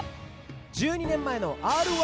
１２年前の「Ｒ−１」